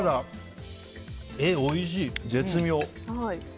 おいしい、絶妙。